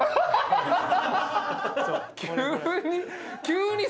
急に？